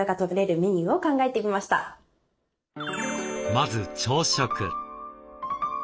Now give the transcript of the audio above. まず朝食。